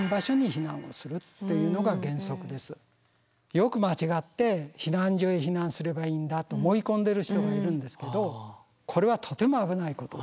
よく間違って避難所へ避難すればいいんだと思い込んでる人がいるんですけどこれはとても危ないことです。